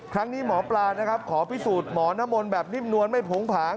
ครั้งนี้หมอปลานะครับขอพิสูจน์หมอนมนต์แบบนิ่มนวลไม่ผงผาง